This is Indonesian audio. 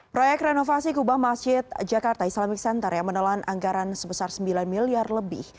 proyek renovasi kubah masjid jakarta islamic center yang menelan anggaran sebesar sembilan miliar lebih